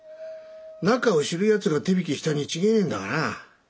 中を知るやつが手引きしたに違えねえんだがなぁ。